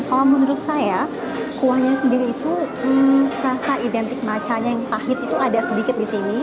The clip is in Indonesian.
kalau menurut saya kuahnya sendiri itu rasa identik macanya yang pahit itu ada sedikit di sini